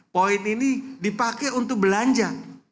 poin ini dipakai untuk belanja